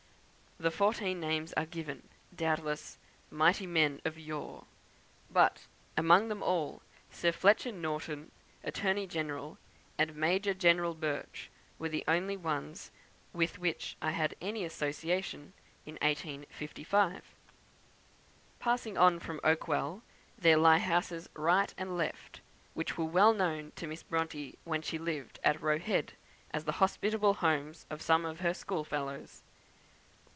The fourteen names are given, doubtless "mighty men of yore;" but, among them all, Sir Fletcher Norton, Attorney General, and Major General Birch were the only ones with which I had any association in 1855. Passing on from Oakwell there lie houses right and left, which were well known to Miss Bronte when she lived at Roe Head, as the hospitable homes of some of her school fellows.